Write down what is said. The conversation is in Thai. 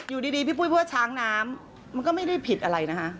อยู่ดีพี่ปุ้ยพูดว่าช้างน้ำมันก็ไม่ได้ผิดอะไรนะคะ